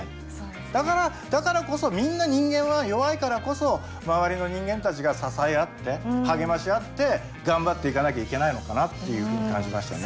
だからだからこそみんな人間は弱いからこそ周りの人間たちが支え合って励まし合って頑張っていかなきゃいけないのかなっていうふうに感じましたね。